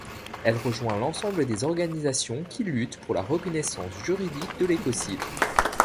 Elle rejoint l'ensemble des organisations qui luttent pour la reconnaissance juridique de l'écocide.